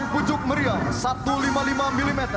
sembilan pujuk meriam satu ratus lima puluh lima mm